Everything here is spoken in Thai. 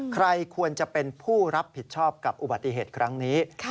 ใครควรจะเป็นผู้รับผิดชอบกับอุบัติเหตุครั้งนี้